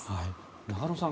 中野さん